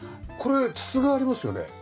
これ筒がありますよね。